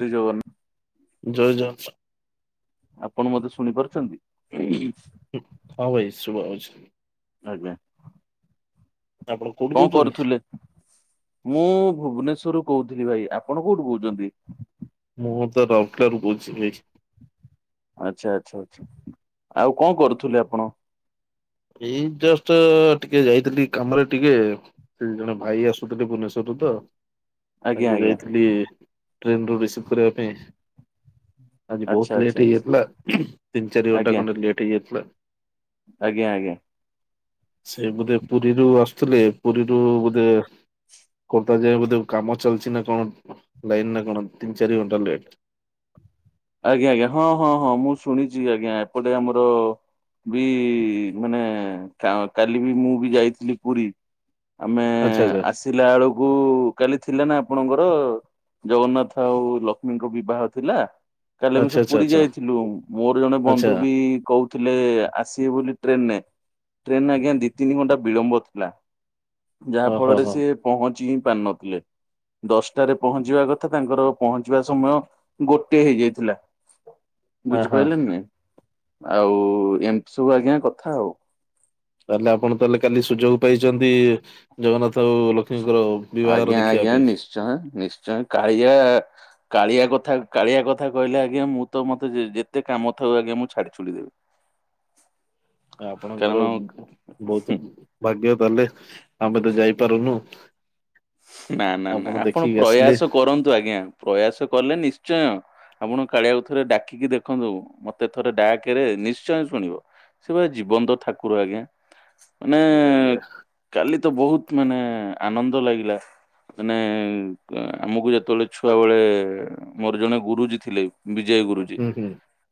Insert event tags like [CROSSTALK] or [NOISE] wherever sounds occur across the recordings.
ତୁ ଯୋଉମାନେ ଜୟ ଜ ଆପଣ ମତେ ଶୁଣି ପାରୁଛନ୍ତି? ହଁ ଭାଇ ଶୁଭାହୋଉଛି। ଆଜ୍ଞା। ଆପଣ କୋଉଠୁ କଣ କହୁଛନ୍ତି? କରୁଥିଲେ ମୁଁ ଭୁବନେଶ୍ଵର କହୁଥିଲି ଭାଇ ଆପଣ କୋଉଠୁ କହୁଛନ୍ତି? ମୁଁ ତ ରାଉରକେଲା ରୁ କହୁଥିଲି। ଆଚ୍ଛା ଆଛା ଆଛା ଆଉ କଣ କରୁଥିଲେ ଆପଣ? ଏଇ ଜଷ୍ଟ ଟିକେ ଯାଇଥିଲି କାମରେ ଟିକେ ସେ ଜଣେ ଭାଇ ଆସୁଥିଲେ ଭୁବନେଶ ସ୍ୱର ରୁ ତ ଆଜ୍ଞା ତାଙ୍କୁ ଆଜ୍ଞା ଯାଇଥିଲି ଟ୍ରେନ ରୁ ରିସିଭ୍ କରିବା ପାଇଁ। ଆଜି ଆଚ୍ଛା ବହୁତ ଆଚ୍ଛା ଲେଟ ଆଚ୍ଛା ହେଇଯାଇଥିଲା ତିନି ଚାରି ଘଣ୍ଟା ଆଜ୍ଞା ଖଣ୍ଡେ ଲେଟ ହେଇଯାଇଥିଲା। ଆଜ୍ଞା ଆଜ୍ଞା। ସେ ବୋଧେ ପୁରୀରୁ ଆସୁଥିଲେ ପୁରୀରୁ ବୋଧେ ଖୋର୍ଦ୍ଧା ଯାଏ ବୋଧେ କାମ ଚାଲିଛି ନା କଣ ଲାଇନ ନା କଣ ତିନି ଚାରି ଘଣ୍ଟା ଲେଟ। [INAUDIBLE] ଆଜ୍ଞା ଆଜ୍ଞା ହଁ ହଁ ହଁ ମୁଁ ଶୁଣିଛି ଆଜ୍ଞା ଏପଟେ ଆମର ବି ମାନେ କାଲି ବି ମୁଁ ବି ଯାଇଥିଲି ପୁରୀ ଆମେ ଆଚ୍ଛା ଆସିଲା ବେଳକୁ କାଲି ଥିଲା ନା ଆପଣଙ୍କର ଜଗନ୍ନାଥ ଆଉ ଲକ୍ଷ୍ମୀଙ୍କ ବିବାହ ଥିଲା। କାଲି ଆମ ଆଚ୍ଛା ଆଚ୍ଛା ସବୁ ଆଚ୍ଛା ପୁରୀ ଆଚ୍ଛା ଯାଇଥିଲୁ। ମୋର ଜଣେ ଆଚ୍ଛା ବନ୍ଧୁ ବି କହୁଥିଲେ ଆସିବେ ବୋଲି ଟ୍ରେନରେ ଟ୍ରେନ ଆଜ୍ଞା ଦି ତିନି ଘଣ୍ଟା ବିଳମ୍ବ ଥିଲା ଯାହା ଓହୋ ଫଳରେ ହୋ ସେ ପହଞ୍ଚି ପାରି ନଥିଲେ ଦଶଟାରେ ପହଞ୍ଚିବା କଥା ତାଙ୍କର ପହଞ୍ଚିବା ସମୟ ଗୋଟେ ହେଇଯାଇ ଥିଲା ଆ ହଁ ବୁଝିପାଇଲେନା ନାଇ? ଆଉ ଏମିତି ସବୁ ଆଜ୍ଞା କଥା ଆଉ। ତାହେଲେ ଆପଣ ତାହେଲେ କାଲି ସୁଯୋଗ ପାଇଛନ୍ତି ଜଗନ୍ନାଥ ଆଉ ଲଷ୍ମୀ ଆଜ୍ଞା ଆଜ୍ଞା ନିଶ୍ଚୟ ନିଶ୍ଚୟ କାଳିଆ କାଳିଆ କଥା କାଳିଆ କଥା କହିଲେ ଆଜ୍ଞା ମୁଁ ତ ମତେ ଯେତେ କାମ ଥାଉ ଆଜ୍ଞା ମୁଁ ଛାଡି ଛୁଡିଦେବି। [INAUDIBLE] ଆପଣଙ୍କର ବହୁତ ଭାଗ୍ୟ ତାଲେ ଆମେ ତ ଯାଇପାରୁନୁ। ନା ନା ନା ଆପଣ ଦେଖିକି ଆସିଲେ ପ୍ରୟାସ କରନ୍ତୁ ଆଜ୍ଞା ପ୍ରୟାସ କଲେ ନିଶ୍ଚୟ ଆପଣ କାଳିଆକୁ ଥରେ ଡାକିକି ଦେଖନ୍ତୁ ମତେ ଥରେ ଡାକରେ ନିଶ୍ଚୟ ଶୁଣିବ। ସେଭଳିଆ ଜୀବନ୍ତ ଠାକୁର ଆଜ୍ଞା। ମାନେ ଆଜ୍ଞା ଆଜ୍ଞା କାଲି ତ ବହୁତ ମାନେ ଆନନ୍ଦ ଲାଗିଲା। ମାନେ ଆମକୁ ଯେତେବେଳେ ଛୁଆ ବେଳେ ମୋର ଜଣେ ଗୁରୁଜୀ ଥିଲେ ବିଜୟ ଗୁରୁଜୀ ହୁଁ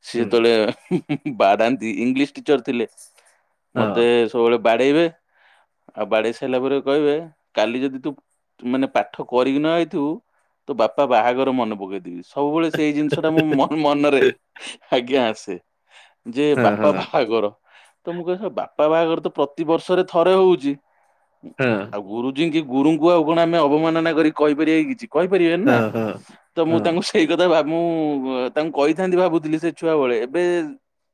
ସେ ହୁଁ ହୁଁ ଯେତେବେଳେ ବାରାନ୍ତି ଇଂଲିଶ ଟିଚର ଥିଲେ। ମତେ ସବୁବେଳେ ବାଡେଇବେ [INAUDIBLE] ଆଉ ବାଡେଇ ସାରିଲା ପରେ କହିବେ କାଲି ଯଦି ତୁ ମାନେ ପାଠ କରିକି ନ ଯଇଥିବୁ ତ ବାପା ବାହାଘର ମନେ ପକେଇ ଦେଵି। ସବୁବେଳେ ସେଇ ଜିନିଷ ଟା ମୁଁ ମନ ମନରେ ଆଜ୍ଞା ଆସେ। ଯେ ହଁ ହଁ ବାପା ବାହାଘର ତ ମୁଁ କ ବାପା ବାହାଘର ତ ପ୍ରତିିବର୍ଷରେ ଥରେ ହଉଛି। ହଁ ହଁ [INAUDIBLE] ଆଉ ଗୁରୁଜୀ କି ଗୁରୁ ଣ ଆମେ ଅବମାନନା କରି କହିପାରିବାଇ କିଛି କହିପାରିବନି ନା ହଁ ହଁ ତ ମୁଁ ହଁ ତାଙ୍କୁ ସେଇ କଥା ଭାବି ମୁଁ ତାଙ୍କୁ କହିଥାନ୍ତି ଭାବୁଥିଲି ସେ ଛୁଆ ବଳେ ଏବେ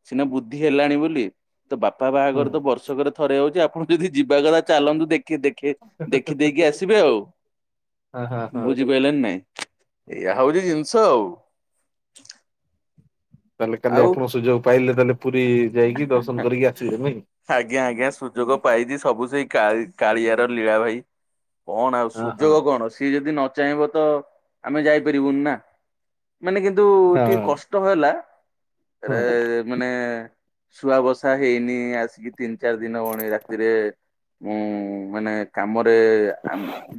ସିନା ବୁଦ୍ଧି ହେଲାଣି ବୋଲି। ତ ବାପା ହୁଁ ବାହାଘର ତ ବର୍ଷକରେ ଥରେ ହଉଛି ଆପଣ ଯଦି ଯିବା କଥା ଚାଲନ୍ତୁ ଦେଖ ଦେଖ ଦେଖି ଦେଇକି ଆସିବେ ଆଉ ହଁ ହଁ [INAUDIBLE] ହଁ ବୁଝିପାରିଲନି? ଏଇଆ ହଉଛି ଜିନିଷ ଆଉ। [INAUDIBLE] ତାହେଲେ କାଲି ଆଉ ଆପଣ ସୁଯୋଗ ପାଇଲେ ତାହେଲେ? ପୁରୀ ଯାଇକି ଦର୍ଶନ କରିକି ଆସିଲେ ନାଇଁ [INAUDIBLE] ଆଜ୍ଞା ଆଜ୍ଞା ସୁଯୋଗ ପାଇଛି ସବୁ ସେଇ କାଳି କାଳିଆର ଲୀଳା ଭାଇ କଣ ଆଉ ହଁ ହଁ ସୁଯୋଗ କଣ ସିଏ ଯଦି ନ ଚାହିଁବ ତ ଆମେ ଯାଇପାରିବୁନି ନା ମାନେ କିନ୍ତୁ ଟିକେ ହଁ କଷ୍ଟ ହେଲା। ଏରା ହଁ ମାନେ ଶୁଆବସା ହେଇନି ଆସିକି ତିନି ଚାରି ଦିନ ହଉଣି ରାତିରେ ମୁଁ ମାନେ କାମରେ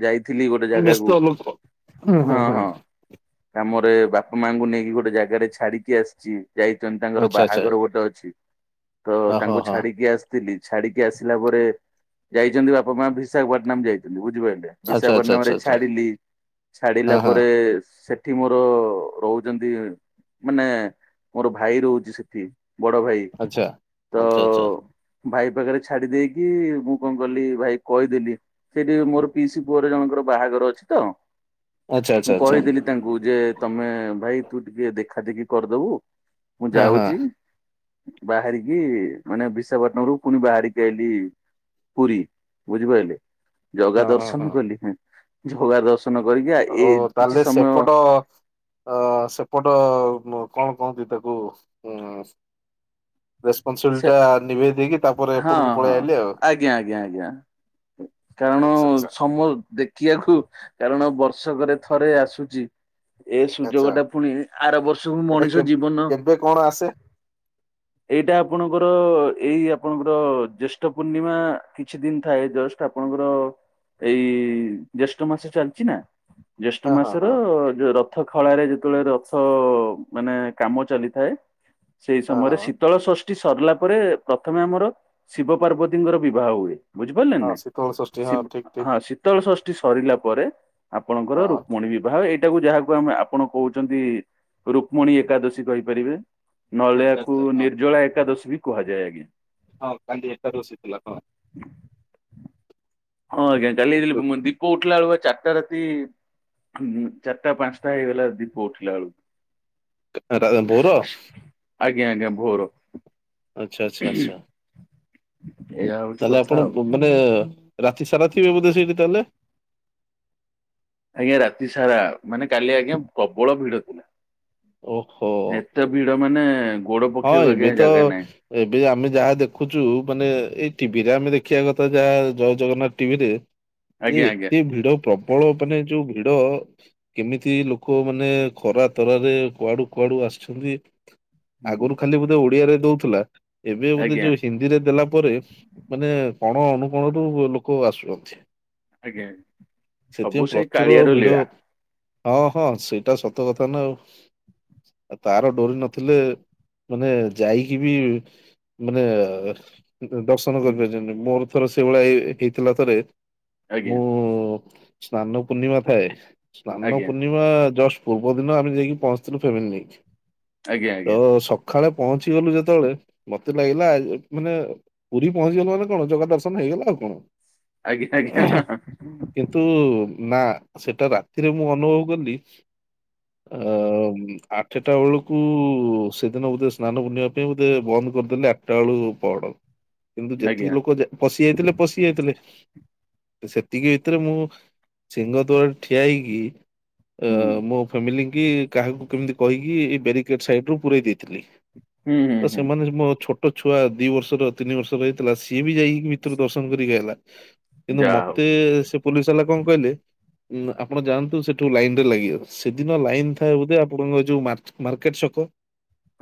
ଯାଇଥିଲି ଗୋଟେ ବ୍ୟସ୍ତ ଜାଗାକୁ ଲୋକ ହୁଁ ହୁଁ ହଁ ହୁଁ ହଁ କାମରେ ଗୋଟେ ବାପା ମାଙ୍କୁ ନେଇକି ଗୋଟେ ଜାଗାରେ ଛାଡିକି ଆସିଛି ଯାଇଛନ୍ତି ତାଙ୍କର ଆଚ୍ଛା ଆଚ୍ଛା ବାହାଘର ଗୋଟେ ଅଛି। ତ ଓ ହୋ ତାଙ୍କୁ ହଁ ଛାଡିକି ଆସିଥିଲି ଛାଡିକି ଆସିଲା ପରେ ଯାଇଛନ୍ତି ବାପା ମା ବିଶାଖପାଟନାମ ଯାଇଛନ୍ତି ବୁଝିପାର ଆଚ୍ଛା ଆଚ୍ଛା ବିଶାପଟ୍ଟନାମ ଆଚ୍ଛା ରେ ଆଚ୍ଛା ଛାଡିଲି ହଁ ଛାଡିଲା ହଁ ପରେ ସେ ସେଠି ମୋର ରହୁଛନ୍ତି ମାନେ ମୋର ଭାଇ ରହୁଛି ସେଠି ବଡ ଭାଇ। ଆଚ୍ଛା ତ ଆଚ୍ଛା ଆଚ୍ଛା। ଭାଇ ପାଖରେ ଛାଡି ଦେଇକି ମୁଁ କଣ କଲି ଭାଇ କହିଦେଲି ସେଇଠି ମୋର ପିଇସି ପୁଅର ଜଣଙ୍କର ବାହାଘର ଅଛି ତ ଆଚ୍ଛା ମୁଁ ଆଚ୍ଛା ଆଚ୍ଛା କହିଥିଲି ତାଙ୍କୁ ଯେ ତମେ ଭାଇ ତୁ ଟିକେ ଦେଖା ଦେେଖି କରିଦବୁ ମୁଁ ହଁ ହଁ ଯାଉଛି। ବାହାରିକି ମାନେ ବିଶାପାଟନରୁ ପୁଣି ବାହାରିକି ଆଇଲି। ପୁରୀ ବୁଝିପାରିଲେ ଜଗା ହଁ ହଁ ଦର୍ଶନ ହଁ। କଲି ଜଗା ଦର୍ଶନ କରିକି ଏ ଓ କିଛି ତାହେଲେ ସମୟ ସେପଟ ଅ ସେପଟ କଣ? କହନ୍ତି ତାକୁ ହୁଁ। [INAUDIBLE] ସେ ରେସପନସିବିଲିଟି ଟା ନିଭେଇ ଦେଇକି ତାପରେ ହଁ ଏପଟକୁ ହଁ ପଳେଇଆଲି ଆଉ। [INAUDIBLE] ଆଜ୍ଞା ଆଜ୍ଞା ଆଜ୍ଞା କାରଣ ଆଚ୍ଛା ଆଚ୍ଛା ସମ ଦେଖିବାକୁ କାରଣ ବର୍ଷ ବର୍ଷକରେ ଥରେ ଆସୁଛି। ଏ ଆଚ୍ଛା ସୁଯୋଗ ଟା ପୁଣି ଆର ବର୍ଷକୁ ଏଇଟା କେ ମଣିଷ ଜୀବନ [INAUDIBLE] କେବେ କଣ ଆସେ ଏଇଟା ଆପଣଙ୍କର ଏଇ ଆପଣଙ୍କର ଜ୍ୟେଷ୍ଠ ପୂର୍ଣ୍ଣିମା କିଛି ଦିନ ଥାଏ ଜେଷ୍ଠ ଆପଣଙ୍କର ଏଇ ଜ୍ୟେଷ୍ଠ ମାସ ଚାଲିଛି ନା ଜ୍ୟେଷ୍ଠ ହଁ ହଁ ମାସର ହଁ ଯୋଉ ର ରଥ ଖଳାରେ ଯେତେବେଳେ ରଥ ମାନେ କାମ ଚାଲିଥାଏ ସେଇ ହଁ ସମୟରେ ହଁ। ସମୟରେ ଶୀତଳ ଷଷ୍ଠୀ ସରିଲା ପରେ ପ୍ରଥମେ ଆମର ଶିବ ପାର୍ବତୀଙ୍କର ବିବାହ ହୁଏ। ବୁଝିପାରିଲେନି ହଁ ନା? ଶୀତଳ ଷଷ୍ଠୀ ହଁ ସିବ୍ ଠିକ ଠିକ ହଁ ଶୀତଳ ଷଷ୍ଠୀ ସରିଲା ପରେ ଆପଣଙ୍କର ହଁ। ରୁକ୍ମଣୀ ବିବାହ ଏଇ ଏଇଟାକୁ ଯାହାକୁ ଆମେ ଆପଣ କହୁଛନ୍ତି ରୁକ୍ମଣୀ ଏକାଦଶୀ କହିପାରିବେ। ନଲେ ଆଚ୍ଛା ଆକୁ ଆଚ୍ଛା ହଁ ନିର୍ଜଳା ଏକାଦଶୀ ବି କୁହାଯାଏ ଆଜ୍ଞା। ହଁ କାଲି ଏକାଦଶୀ ଥିଲା ତ। ହଁ ଆଜ୍ଞା କାଲିି ଯେ ତେ ଦୀପ ଉଠିଲା ଆଳୁ ଚାରିଟା ରାତି ଚାରିଟା ପାଞ୍ଚଟା ହେଇଗଲା ଦୀପ ଉଠିଲା ବେଳକୁ। ରା ଆ ଭୋର। ଆଜ୍ଞା ଆଜ୍ଞା ଭୋର। ଆଚ୍ଛା ଆଚ୍ଛା ଆଚ୍ଛା। ଏଇଆ ହଉଛି ତାହେଲେ କଥା ଆପଣ ଆଉ। ମାନେ ରାତି ସାରା ଥିବେ ବୋଧେ ସେଇଠି ତାହଲେ। ଆଜ୍ଞା ରାତି ସାରା ମାନେ କାଲି ଆଜ୍ଞା ପ୍ରବଳ ଭିଡ ଥିଲା। ଓହୋ ଏତେ ଭିଡ ମାନେ। ଗୋଡ ହଁ ପକେଇବାକୁ ଏବେ ଆଜ୍ଞା ତ ଜାଗା ନାହିଁ ଏବେ ଆମେ ଯାହା ଦେଖୁଛୁ ମାନେ ଏଇ ଟି ଭି ରେ ଆମେ ଦେଖିବା କଥା ଯାହା ଜୟ ଜଗନ୍ନାଥ ଟିଭିରେ ଯେ ଆଜ୍ଞା ଆଜ୍ଞା। ଏତେ ଭିଡ଼ ପ୍ର ପ୍ରବଳ ମାନେ ଯୋଉ ଭିଡ କେମିତି ଲୋକ ମାନେ ଖରା ତରାରେ କୁଆଡୁ କୁଆଡୁ। ଆସିଛନ୍ତି। ହୁଁ ଆଗରୁ ଖାଲି ବୋଧେ ଓଡିଆରେ ଦଉଥିଲା ଏବେ ବୋଧେ ଆଜ୍ଞା ଯୋଉ ହିନ୍ଦୀରେ ଦେଲା ପରେ ମାନେ। କୋଣ ଅନୁକୋଣରୁ ଲୋକ ଆସୁଛନ୍ତି। ଆଜ୍ଞା ସବୁ ସେଥିପାଇଁ ସେଇ ପ୍ରଚୁର କାଳିଆର ଭିଡ। ଲୀଳା। ହଁ ହଁ ସେଇଟା ସତ କଥା ନା ଆଉ ତାର ଡୋରି ନଥିଲେ। ମାନେ ଯାଇକି ବି ମାନେ ଦର୍ଶନ ହୁଁ କରିପାରିଛନ୍ତି ମୋର। ମୋର ସେଇଭଳଆଇ ହେଇଥିଲା ଥରେ। ଆଜ୍ଞା। ମୁଁ ସ୍ନାନ ପୂର୍ଣ୍ଣିମା ଥାଏ ସ୍ନାନ ଆଜ୍ଞା ପୂର୍ଣ୍ଣିମା ଜଷ୍ଟ। ପୂର୍ବ ଦିନ ଆମେ ଯାଇକି ପହଞ୍ଚିଥିଲୁ ଫେମିଲି ନେଇକି। ଆଜ୍ଞା ଆଜ୍ଞା। ସଖାଳେ ପହଞ୍ଚି ଗଲୁ ଯେତେବେଳେ ମତେ ଲାଗିଲା ମାନେ ପୁରୀ ପହଞ୍ଚି ଗଲୁ ମାନେ କଣ ଜଗା ଦର୍ଶନ ହେଇ ଗଲା ଆଉ କଣ ଆଜ୍ଞା ଆଜ୍ଞା କିନ୍ତୁ ନା ସେଟା ରାତିରେ ମୁଁ ଅନୁଭବ କଲି। ଅ ଆଠଟା ବେଳକୁ ସେ ଦିନ ବୋଧେ ସ୍ନାନ ପୂର୍ଣ୍ଣିମା ପାଇଁ ବୋଧେ ବନ୍ଦ କରିଦେଲେ ଆଠଟା ବେଳୁ ପହଡ। କିନ୍ତୁ ଯେତିକି ଆଜ୍ଞା ଲୋକ ପଶି ଯାଇଥିଲେ ପଶି ଯାଇଥିଲେ। ସେତିକି ଭିତରେ ମୁଁ ସିଂହ ଦୁଆରେ ଠିଆ ହେଇକି। ଅ ହୁଁ ମୋ ଫ୍ୟାମିଲି ଙ୍କୀ କାହାକୁ କେମିତି କହିକି ବ୍ୟାରିକେଟ ସାଇଟ ରୁ ପୁରେଇ ଦେଇଥିଲି। ହୁଁ ହୁଁ ତ ହୁଁ ସେମାନେ ମୋର ଛୋଟ ଛୁଆ ଦି ବର୍ଷର ତିନି ବର୍ଷର ହେଇଥିଲା ସିଏ ବି ଯାଇକ। ଭିତରୁ ଦର୍ଶନ କରିକି ଆଇଲା। କିନ୍ତୁ ଯାହା ହଉ ମୋତେ ସେ ପୁଲିସ ବାଲା କଣ କହିଲେ। ଆପଣ ଯାଆନ୍ତୁ ସେଠୁ ଲାଇନ ରେ ଲାଗିବ ସେଦିନ ଲାଇନ ଥାଏ ବୋଧେ ଆପଣଙ୍କ ଯୋଉ ମାର୍ଚ୍ଚ ମାର୍କେଟ ଛକ। କ।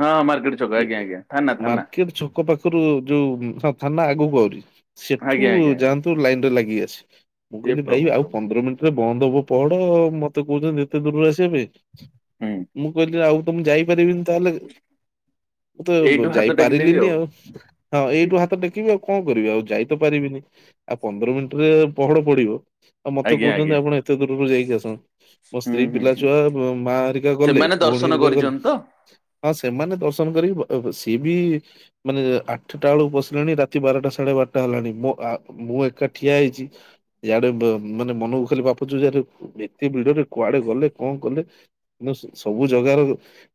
ହଁ ମାର୍କେଟ ଛକ ଆଜ୍ଞା ଆଜ୍ଞା ଥାନା ଥାନା। ଙ୍କ ପାଖରୁ ଯୋଉ ଥାନା ଆଗକୁ ଆହୁରି ସେଠୁ ଆଜ୍ଞା ଆଜ୍ଞା ଆଜ୍ଞା ଯାଆନ୍ତୁ ଲାଇନ ରେ ଲାଗି ଆସିବେ। ମୁଁ ଏ କହିଲି ଭାଇ ପ୍ରଭୁ ଆଉ ପ୍ରଭୁ ପନ୍ଦର ମିନିଟ ରେ ବନ୍ଦ ହବ ପହଡ। ମତେ କହୁଛନ୍ତି ଏତେ ଦୂରରୁ ଆସିିବା ପାଇଁ। ହୁଁ ମୁଁ କହିଲି ଆଉ ମୁଁ ତ ଯାଇପରିବିନି ତା ହେଲେ? ମୁଁ ତ ଏଇଠୁ ହାତ ଟେକିଦେବି ଯାଇପାରିଲିନି ଆଉ ହଁ ଏଇଠୁ ହାତ ଟେକିବି ଆଉ କଣ କରିବି ଆଉ। ଯାଇ ତ ପାରିବିନି ଆଉ ପନ୍ଦର ମିନିଟରେ ପହଡ ପଡିବ। ଆଉ ମତେ ଆଜ୍ଞା କହୁଛନ୍ତି ଆଜ୍ଞା ଆପଣ ଏତେ ଦୂରରୁ ଯାଇକି ଆସନ୍ତ ମୋ ହୁଁ ସ୍ତ୍ରୀ ହୁଁ ପିଲା ହୁଁ ଛୁଆ ମା ହେରିକା ଗଲେ। ସେମାନେ ଭଉଣୀ ଦର୍ଶନ ହେରିକା ଗଲେ। କରିଛନ୍ତି ତ ହଁ ସେମାନେ ଦର୍ଶନ କରିକ ସିଏ ବି ମାନେ ଆଠଟା ବେଳକୁ ପସିଲେଣି ରାତି ବାରଟା ସାଢେ ବାରଟା ହେଲାଣି। ମୁ ଆ ମୁ ଏକା ଠିଆ ହେଉଛି ଇଆଡ଼େ ମାନେ ମନକୁ ଖାଲି ପାପ ଛୁଉଁଛି ଅରେ ଏତେ ଭିଡରେ କୁଆଡେ ଗଲେ କଣ କଲେ ନ ସବୁ ଜାଗାର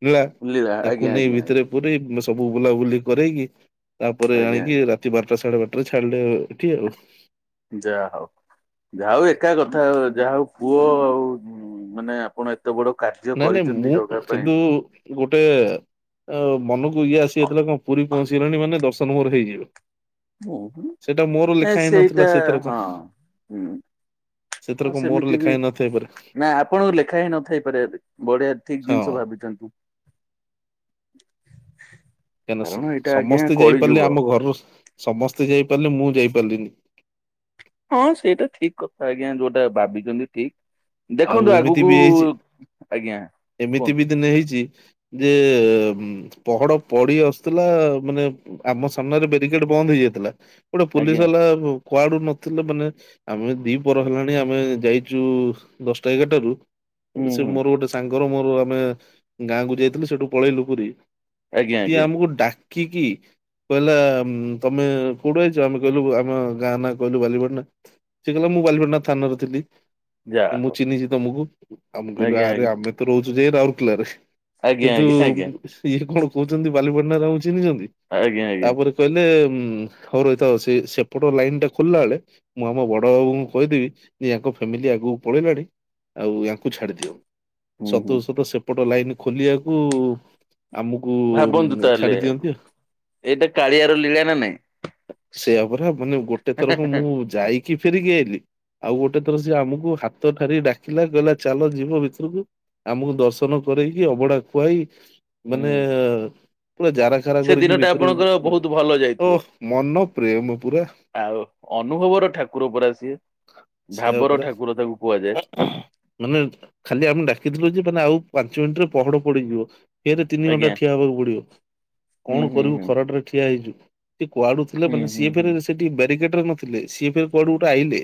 ନୀଳା। ଲୀଳା ତାକୁ ଆଜ୍ଞା ନେଇ ଆଜ୍ଞା ଭିତରେ ଆଜ୍ଞା ପୁରେଇ ମୁସ ସବୁ ବୁଲାବୁଲି କରରେକି ତାପରେ ଆଜ୍ଞା ଆଣିକି ଆଜ୍ଞା ରାତି ବାରଟା ସାଢେ ବାରଟା ଛାଡିଲେ ଏଠି ଆଉ। ଯାହା ହଉ ଯାହା ହଉ ଏକା କଥା ଯାହା ହଉ ପୁଅ ଆଉ ମାନେ ଆପଣ ବଡ କାର୍ଯ୍ୟ ନାଇଁ ନାଇଁ କରିଛନ୍ତି ମୁଁ ଜଗା ପାଇଁ କିନ୍ତୁ ଗୋଟେ ଆ ମନକୁ ଇଏ ଆସିଯାଇଥିଲା କଣ ପୁରୀ ପହଞ୍ଚିଗଲାଣି ମାନେ ଦର୍ଶନ ମୋର ହେଇଯିଵ। ଉଁ ହୁଁ ଏ ହେଇନଥିଲା ସେଇଟା ସେଥରକ। ହଁ ହୁଁ ହଁ ସେଥିରକ ମୋର ସେମିତି ଲେଖା ବି ହେଇ ନଥାଇ ପାରେ ନାାଇ ଆପଣଙ୍କୁ ଲେଖା ହିଁ ନଥାଇ। ବଢିଆ ଠିକ ହଁ ଜିନିଷ ଭାବିଛନ୍ତି। କାହିଁକ କାରଣ ଏଇଟା ଆଜ୍ଞା ସମସ୍ତେ କଳି ଯାଇପାରିଲେ ଯୁଗ ଆମ ଘରରୁ ସମସ୍ତେ ଯାଇ ପାରିଲେ ମୁଁ ଯାଇପାରିଲିନି। ହଁ ସେଇଟା ଠିକ କଥା ଆଜ୍ଞା। ଯୋଉଟା ଭାବିଛନ୍ତି ଠିକ। ଆଉ ଦେଖନ୍ତୁ ଏମିତି ଆଗକୁ ବି ହେଇଛି। ଆଜ୍ଞା ଏମିତି ବି କୁହନ୍ତୁ ଦିନ ହେଇଛି ଯେ ପହଡ ପଡି ଆସୁଥିଲା ମାନେ ଆମ ସାମ୍ନାରେ ବ୍ୟାରିକେଡ ବନ୍ଦ ହେଇଛି। ଥିଲା ଗୋଟେ ପୋଲିସ ଆଜ୍ଞା ବାଲା କୁଆଡୁ ନଥିଲେ ମାନେ ଆମେ ଦି ପର ହେଲାଣି ଆମେ ଯାଇଛୁ ଦଶଟା ଏଗାରଟାରୁ ହୁଁ ସେ ହୁଁ ମୋର ଗୋଟେ ସାଙ୍ଗର ମୋର ଆମେ ଗାଁକୁ ଯାଇଥିଲୁ ସେଠୁ ପଳେଇଲୁ ପୁରୀ ଆଜ୍ଞା ସିଏ ଆଜ୍ଞା ଆମକୁ ଡାକିକି କହିଲା ତମେ କୋଉଠୁ ଆଇଛ ଆମେ କହିଲୁ ଆମ ଗାଁ ନା କହିଲୁ ବାଲିିପାଟନା ସେଏ କହିଲା ମୁଁ ବାଲିପଟନା ଥାନାରେ ଥିଲି ଯା ମୁଁ ହଉ ଚିହ୍ନିଛିି ତମକୁ ଆମେ କହିଲୁ ଆଜ୍ଞା ଆରେ ଆମେ ତ ରହୁଛୁ ଯାଇ ରାଉରକେଲାରେ ଆଜ୍ଞା କିନ୍ତୁ ଆଜ୍ଞା ଆଜ୍ଞା ସିଏ କଣ କହୁଛନ୍ତି ବାଲିପଟଣା ରହୁଛି ଚିହ୍ନିଛନ୍ତି ଆଜ୍ଞା ଆଜ୍ଞା ତାପରେ କହିଲେ ହୁଁ ହଉ ରହିଥାଉ ସେପଟ ଲାଇନ ଟା ଖୋଲିଲା ବେଳେ ମୁଁ ଆମ ବଡ ବାବୁଙ୍କୁ କହିଦେବି ୟା ଫାମିଲି ଆଗକୁ ପଳେଇଲାଣି ଆଉ ୟାଙ୍କୁ ଛାଡିଦିଅ ହୁଁ ସତ କୁ ହୁଁ ସତ ସେପ ଟ ଲାଇନ୍ ଖୋଲିବାକୁ ଆମକୁ ଭାବନ୍ତୁ ତାହେଲେ ଛାଡି ଦିଅନ୍ତି ଆ ଏଇଟା କାଳିଆର ଲୀଳା ନା ନାଇଁ [INAUDIBLE] ସେଇଆପରା ମାନେ ଗୋଟେ ଥରକୁ ମୁଁ ଯାଇକି ଫେରିକି ଆଇଲି ଆଉ ଗୋଟେ ଥର ସେ ଆମକୁ ହାତ ଠାରି ଡାକିଲା କହିଲା ଚାଲ ଯିବ ଭିତରକୁ ଆମକୁ ଦର୍ଶନ କରରେକି ଅବଢା ଖୁଆଇ ମାନେ ହୁଁ ପୁରା ଜାରା ଖାରା ସେ କରିକି ଦିନଟା ଭିତରୁ ଆପଣଙ୍କର ବହୁତ ଭଲ ବାହାର ଯାଇଥିବ। ଓ ମନ ପ୍ରେମ ପୁରା ଆଉ ଅନୁଭବର ଠାକୁର ପରା ସିଏ ସେଇଆ ଭାବର ପରା। ଠାକୁର ତାକୁ କୁହାଯାଏ ମାନେ ଖାଲି ଆମେ ଡାକିଥିଲୁ ଯେ ମାନେ ଆଉ ପାଞ୍ଚ ମିନିଟରେ ପହଡ ପଡିଯିବ ଫରେ ତିନି ଆଜ୍ଞା ଘଣ୍ଟା ଠିଆ ହେବାକୁ ପଡିବ ହୁଁ କଣ ହୁଁ କରିବୁ ହୁଁ। ଖରାଟରେ ଠିଆ ହେଇଛୁ ସେ କୁଆଡୁ ଥିଲେ ହୁଁ ମାନ ହୁଁ ସିଏ ଫ ହୁଁ ସେଠି ବ୍ୟାରିକେଡ ରେ ନଥିଲେ ସିଏଫେରେ କୁଆଡୁ ଗୋଟେ ଆଇଲେ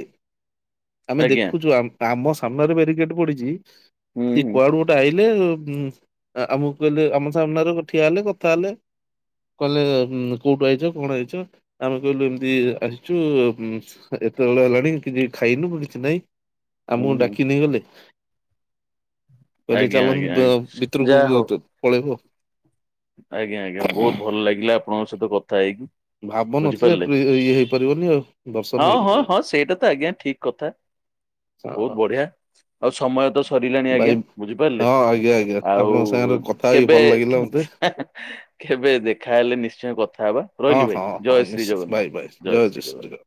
ଆମେ ଆଜ୍ଞା ଦେଖୁଛୁ ଆମ ସାମ୍ନାରେ ବ୍ୟାରିକେଟ୍ ପଡିଛି ହୁଁ ସେ ହୁଁ କୁଆଡୁ ଗୋଟେ ଆଇ ଉମ ଆମକୁ କହିଲେ ଆମ ସାମ୍ନାରେ ଗଠିଆ ହେଲେ କଥା ହେଲେ କହିଲେ ଉମ କୋଉଠୁ ଆଇଛ କଣ ଆଇଛ ଆମେ କହିଲୁ ଏମିତି ଆସିଛୁ ଉମ ଏତେବେଳେ ହେଲାଣି କିଛି ଖାଇନୁ କିଛି ନାଇଁ ହୁଁ ଆମକୁ ହୁଁ ଡାକି ନେଇ ଗଲେ କହିଲେ ଆଜ୍ଞା ଆଜ୍ଞା ଚାଲନ୍ତୁ ଆଜ୍ଞା। ଯାହା ଭିତରକୁ ହଉ ପଳେଇବ ଆଜ୍ଞା ଆଜ୍ଞା ବହୁତ ଭଲ ଲାଗିଲା ଆପଣଙ୍କ ସହିତ କଥା ହେଇକି ଭାବ ନଥିଲେ ବୁଝିପାରିଲେ ପ୍ରି ଇଏ ହେଇପାରିବନି ଆଉ ଦର୍ଶନ ହଁ ହଁ ହେଇପାରିବନି ହଁ ସେଇଟା ତ ଆଜ୍ଞା ଠିକ କଥା ବହୁତ ହଁ ବଢିଆ ଆଉ ସମୟ ତ ସରିଲାଣି ଭାଇ ଆଜ୍ଞା ବୁଝିପାରିଲେ ହଁ ଆଜ୍ଞା ଆଜ୍ଞା ଆଉ ଆପଣଙ୍କ ସାଙ୍ଗରେ କଥା ହେଇକି କେବେ ଭଲ ଲାଗିଲା [INAUDIBLE] କେବେ ଦେଖା ହେଲେ ନିଶ୍ଚୟ କଥା ହେବା ହଁ ରହିଲି ଭାଇ ହଁ ହଁ ଜୟ ଶ୍ରୀ ନିଶ୍ଚିତ ବାଏ ଜଗନ୍ନାଥ ବାଏ ଜୟ ଶ୍ରୀ ଜଗନ୍ନାଥ